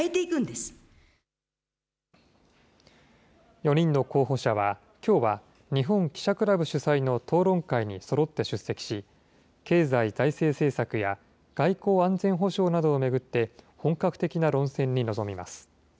４人の候補者はきょうは日本記者クラブ主催の討論会にそろって出席し、経済・財政政策や外交・安全保障などを巡って、本格的な論戦に臨みます。